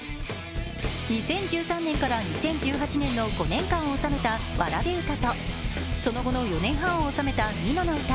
２０１３年から２０１８年の５年間を収めた「童詩」とその後の４年半を収めた「蓑唄」。